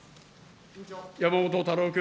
山本太郎君。